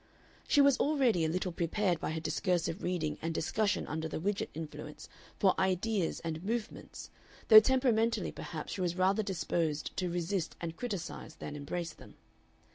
She was already a little prepared by her discursive reading and discussion under the Widgett influence for ideas and "movements," though temperamentally perhaps she was rather disposed to resist and criticise than embrace them.